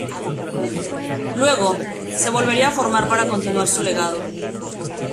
Luego, se volvería a formar para continuar su legado.